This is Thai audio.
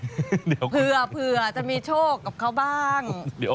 เผื่อจะมีโชคกับเขาบ้าง